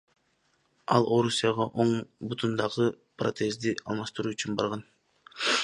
Ал Орусияга оң бутундагы протезди алмаштыруу үчүн барган.